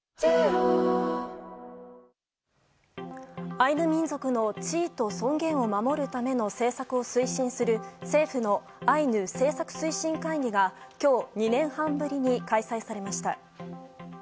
アイヌ民族の地位と尊厳を守るための政策を推進する政府のアイヌ政策推進会議が今日、２年半ぶりに開催されました。